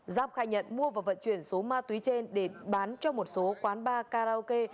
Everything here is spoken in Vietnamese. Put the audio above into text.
giáp khai nhận mua và vận chuyển số ma túy trên để bán cho một số quán bar karaoke